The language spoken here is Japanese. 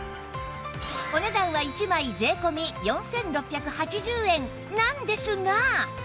お値段は１枚税込４６８０円なんですが